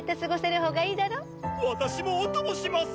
私もお供します！